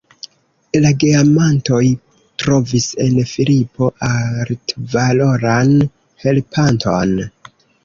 La geamantoj trovis en Filipo altvaloran helpanton.